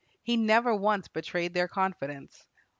He never once betrayed their confidence.